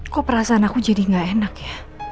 kok perasaan aku jadi gak enak ya